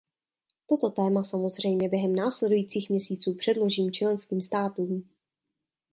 Toto téma samozřejmě během následujících měsíců předložím členským státům.